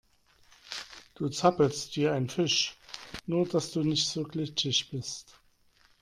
Du zappelst wie ein Fisch, nur dass du nicht so glitschig bist.